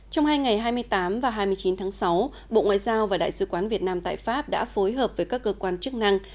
trong hai ngày hai mươi tám và hai mươi chín tháng sáu bộ ngoại giao và đại sứ quán việt nam tại pháp đã phối hợp với các cơ quan chức năng